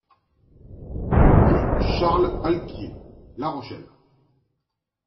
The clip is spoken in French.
Rue Charles Alquier, La Rochelle